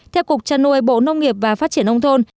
theo cục trà nôi bộ nông nghiệp và phát triển nông thôn